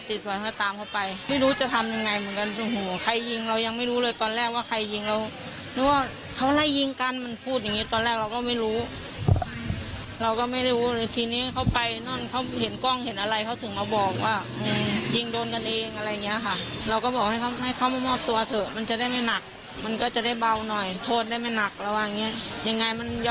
สวนเขาตามเขาไปไม่รู้จะทำยังไงเหมือนกันโอ้โหใครยิงเรายังไม่รู้เลยตอนแรกว่าใครยิงเรานึกว่าเขาไล่ยิงกันมันพูดอย่างงี้ตอนแรกเราก็ไม่รู้เราก็ไม่รู้เลยทีนี้เขาไปนู่นเขาเห็นกล้องเห็นอะไรเขาถึงมาบอกว่ายิงโดนกันเองอะไรอย่างเงี้ยค่ะเราก็บอกให้เขาให้เขามามอบตัวเถอะมันจะได้ไม่หนักมันก็จะได้เบาหน่อยโทษได้ไม่หนักระหว่าง